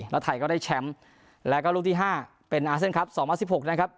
แล้วไทยก็ได้แชมป์แล้วก็ลูกที่ห้าเป็นอาเซนครับสองพันสิบหกนะครับ